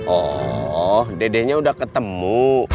oh dedeknya udah ketemu